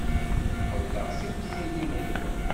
Qebleɣ tiwtilin-nwen.